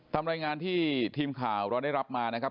ตามรายงานที่ทีมข่าวเราได้รับมานะครับ